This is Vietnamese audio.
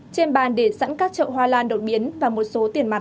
trên bàn để sẵn các trậu hoa lan đột biến và một số tiền mặt